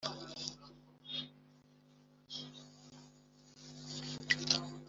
ngo bumuhatire kubahiriza icyo cyemezo